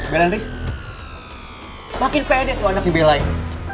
belain riz makin pede tuh anak dibelain